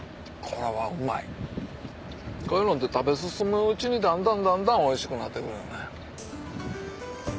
こういうのって食べ進むうちにだんだんだんだんおいしくなってくるよね。